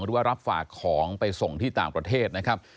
หรือว่ารับฝากของไปส่งที่ต่างประเทศนะครับ